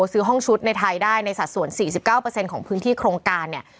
ซื้อห้องชุดในไทยได้ในสัดส่วน๔๙ของพื้นที่โครงการเนี่ย